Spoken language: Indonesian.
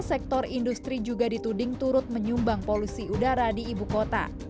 sektor industri juga dituding turut menyumbang polusi udara di ibu kota